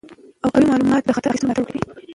او قوي معلومات به د خطر اخیستلو ملاتړ وکړي.